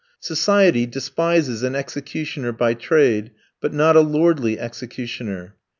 Society despises an executioner by trade, but not a lordly executioner.